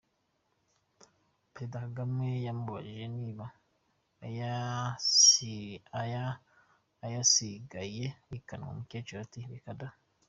Perezida Kagame yamubajije niba iyasigaye ikamwa, umukecuru ati “Reka da!